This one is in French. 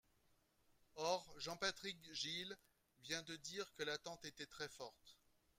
Or Jean-Patrick Gille vient de dire que l’attente était très forte.